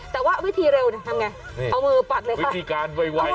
แต่ว่าวิธีเร็วทำไง